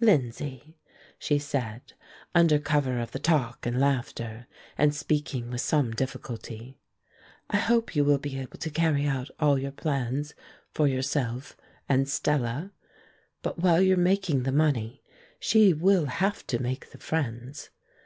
"Lindsay," she said, under cover of the talk and laughter, and speaking with some difficulty, "I hope you will be able to carry out all your plans for yourself and Stella; but while you're making the money, she will have to make the friends.